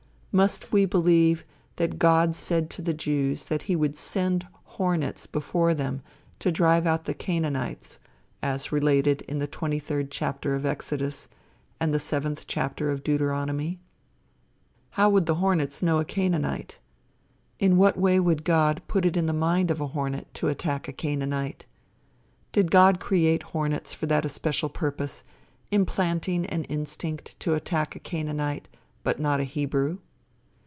Must we believe that God said to the Jews that he would send hornets before them to drive out the Canaanites, as related in the twenty third chapter of Exodus, and the seventh chapter of Deuteronomy? How would the hornets know a Canaanite? In what way would God put it in the mind of a hornet to attack a Canaanite? Did God create hornets for that especial purpose, implanting an instinct to attack a Canaanite, but not a Hebrew?